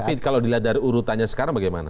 tapi kalau dilihat dari urutannya sekarang bagaimana